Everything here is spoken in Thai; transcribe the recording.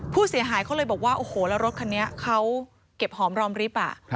ผู้เสียหายเขาเลยบอกว่าโอ้โหแล้วรถคันนี้เขาเก็บหอมรอมริฟท์